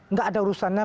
nggak ada urusannya